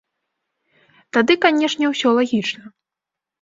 Тады, канешне, усё лагічна.